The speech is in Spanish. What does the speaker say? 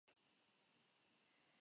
Es de hábitos terrestre y de agua dulce.